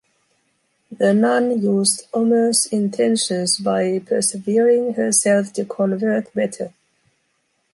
The nun used Omer’s intentions by persevering herself to convert better.